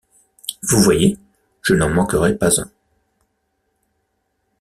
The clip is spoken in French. Vous voyez, je n’en manquerai pas un !...